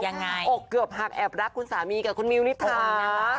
อกเกือบหักแอบรักคุณสามีกับคุณมิวนิษฐานะ